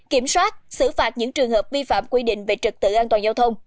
kiểm soát xử phạt những trường hợp vi phạm quy định về trực tự an toàn giao thông